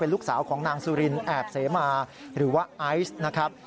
ลูกสาวของนางสุรินแอบเสมาหรือว่าไอซ์นะครับ